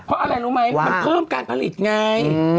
เพราะอะไรรู้ไหมมันเพิ่มการผลิตไง